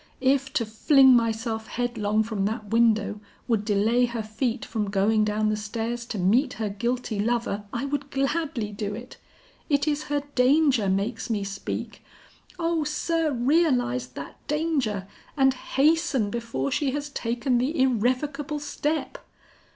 If to fling myself headlong from that window, would delay her feet from going down the stairs to meet her guilty lover, I would gladly do it. It is her danger makes me speak. O sir, realize that danger and hasten before she has taken the irrevocable step.'